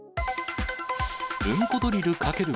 うんこドリル×○○。